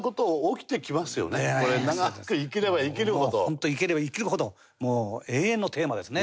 ホント生きれば生きるほどもう永遠のテーマですね。